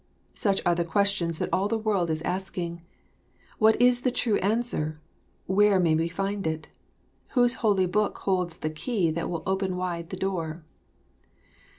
Such are the questions that all the world is asking. What is the true answer; where may we find it? Whose holy book holds the key that will open wide the door?